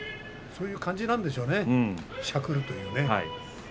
そういう感じなんでしょうね、しゃくると言う。